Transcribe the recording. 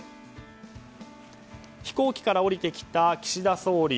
飛行機から降りてきた岸田総理。